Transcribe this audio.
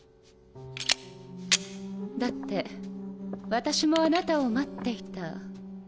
だって私もあなたを待っていた。